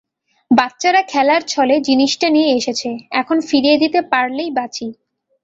বাচ্চারা খেলার ছলে জিনিসটা নিয়ে এসেছে এখন ফিরিয়ে দিতে পারলেই বাঁচি।